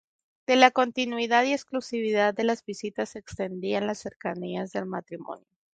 De la continuidad y exclusividad de las visitas se entendía la cercanía del matrimonio.